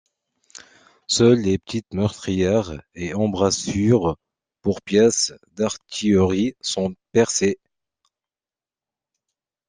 Seules de petites meurtrières et embrasures pour pièces d'artillerie sont percées.